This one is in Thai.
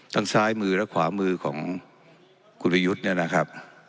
ทางไซ่มือแล้วขวามือของคุณประยุทธ์นันนะครับ